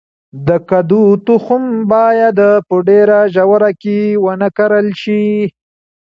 د کدو تخم باید په ډیره ژوره کې ونه کرل شي.